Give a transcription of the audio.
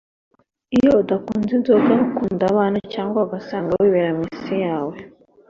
Iyo udakunze inzoga ukunda abana cyangwa ugasanga wibera mu isi yawe